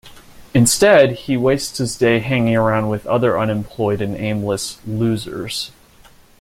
Instead, he wastes his day hanging around with other unemployed and aimless "losers".